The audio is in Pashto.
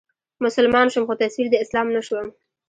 مسلمان شوم خو تصوير د اسلام نه شوم